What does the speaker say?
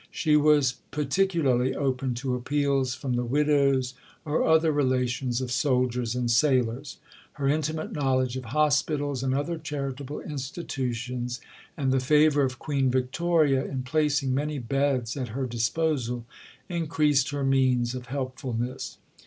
She was particularly open to appeals from the widows or other relations of soldiers and sailors. Her intimate knowledge of hospitals and other charitable institutions, and the favour of Queen Victoria in placing many beds at her disposal, increased her means of helpfulness.